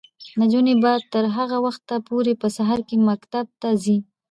نجونې به تر هغه وخته پورې په سهار کې مکتب ته ځي.